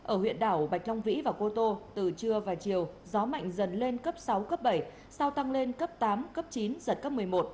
ở huyện đảo bạch long vĩ và cô tô từ trưa và chiều gió mạnh dần lên cấp sáu cấp bảy sau tăng lên cấp tám cấp chín giật cấp một mươi một